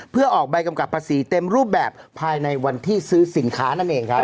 เพื่อออกใบกำกับภาษีเต็มรูปแบบภายในวันที่ซื้อสินค้านั่นเองครับ